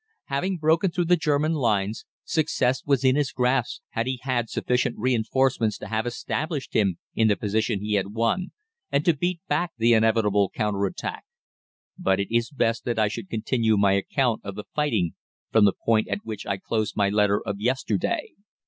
"Having broken through the German lines, success was in his grasp had he had sufficient reinforcements to have established him in the position he had won, and to beat back the inevitable counter attack. But it is best that I should continue my account of the fighting from the point at which I closed my letter of yesterday.